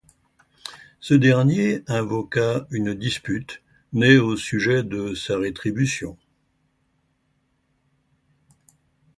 Ce dernier invoqua une dispute née au sujet de sa rétribution.